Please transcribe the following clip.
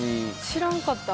知らんかった。